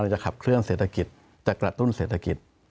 จะขับเคลื่อเศรษฐกิจจะกระตุ้นเศรษฐกิจ